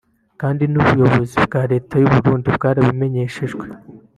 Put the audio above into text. kandi n’ubuyobozi bwa Leta y’u Burundi bwarabimenyeshejwe